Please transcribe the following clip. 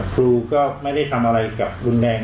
ครูก็ไม่ได้ทำอะไรกับรุนแรง